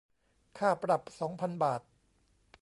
ค่าปรับสองพันบาท